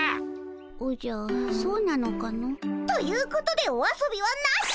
おじゃそうなのかの。ということでお遊びはなし。